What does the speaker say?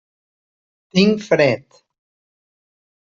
Tinc fred.